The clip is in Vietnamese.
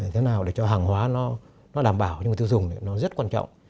thế nào để cho hàng hóa đảm bảo cho người tiêu dùng rất quan trọng